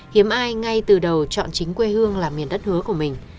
hiếm ai ngay từ đầu chọn chính quê hương làm miền đất hứa của mình